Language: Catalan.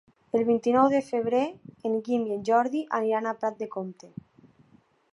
El vint-i-nou de febrer en Guim i en Jordi aniran a Prat de Comte.